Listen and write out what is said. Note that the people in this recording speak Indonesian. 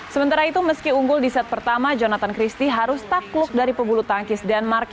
sementara itu meski unggul di set pertama jonathan christie harus takluk dari pebulu tangkis denmark